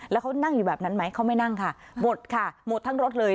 แล้วเขานั่งอยู่แบบนั้นไหมเขาไม่นั่งค่ะหมดค่ะหมดทั้งรถเลย